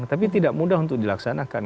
tapi tidak mudah untuk dilaksanakan